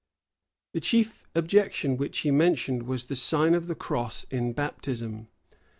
The chief objection which he mentioned, was the sign of the cross in baptism.